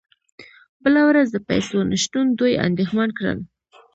بله ورځ د پیسو نشتون دوی اندیښمن کړل